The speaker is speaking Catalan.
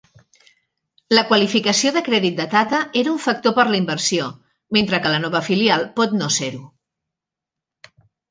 La qualificació de crèdit de Tata era una factor per la inversió, mentre que la nova filial pot no se-ho.